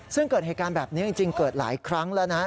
ซึ่งเกิดเหตุการณ์แบบนี้จริงเกิดหลายครั้งแล้วนะ